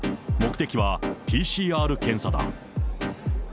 目的はＰＣＲ検査だ。